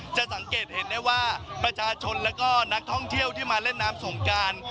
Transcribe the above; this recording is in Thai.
สังเกตเห็นได้ว่าประชาชนและก็นักท่องเที่ยวที่มาเล่นน้ำสงการ